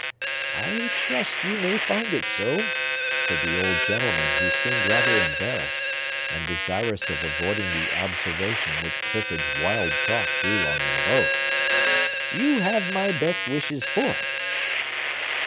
"I trust you may find it so," said the old gentleman, who seemed rather embarrassed, and desirous of avoiding the observation which Clifford's wild talk drew on them both. "You have my best wishes for it."